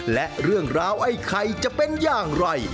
และเรื่องราวไอ้ไข่จะเป็นอย่างไร